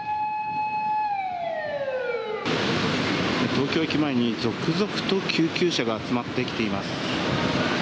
東京駅前に続々と救急車が集まってきています。